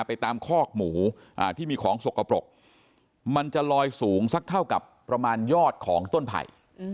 ไปตามคอกหมูที่มีของสกปรกมันจะลอยสูงสักเท่ากับประมาณยอดของต้นไผ่